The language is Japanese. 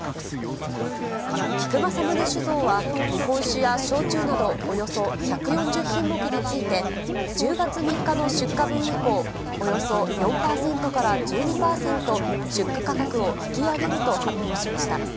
菊正宗酒造は、日本酒や焼酎など、およそ１４０品目について、１０月３日の出荷分以降、およそ４％から１２％、出荷価格を引き上げると発表しました。